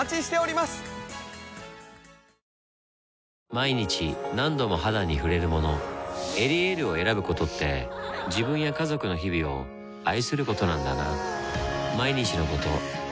毎日何度も肌に触れるもの「エリエール」を選ぶことって自分や家族の日々を愛することなんだなぁ